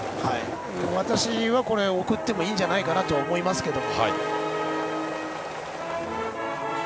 私はこれ送ってもいいんじゃないかなと思いますけど。